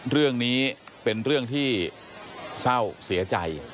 เรื่องนี้เป็นเรื่องที่เศร้าเสียใจ